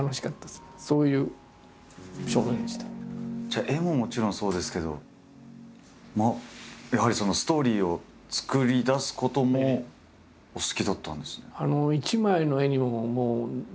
じゃあ絵ももちろんそうですけどやはりストーリーを作り出すこともお好きだったんですね。